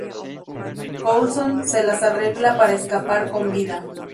Coulson se las arregla para escapar con vida.